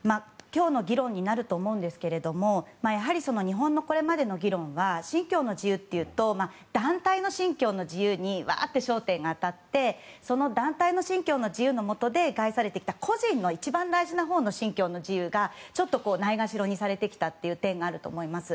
今日の議論にもなると思うんですが日本のこれまでの日論は信教の自由というと団体の信教の自由に焦点が当たってその団体の信教の自由のもとで害されてきた個人が一番大事な信教の自由がちょっとないがしろにされてきたという点があると思います。